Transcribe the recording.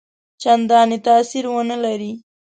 څنداني تاثیر ونه لري.